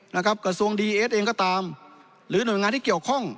กระทรวงดีเอสเองก็ตามหรือหน่วยงานที่เกี่ยวข้อง